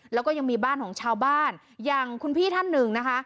แล้วก็ยังมีบ้านของชาวบ้านอย่างคุณพี่ท่านหนึ่งนะคะ